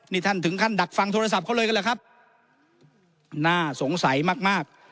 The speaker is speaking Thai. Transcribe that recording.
นี่ท่านถึงขั้นดักฟังโทรศัพท์เขาเลยกันแหละครับน่าสงสัยมากมาก